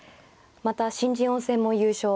また新人王戦も優勝。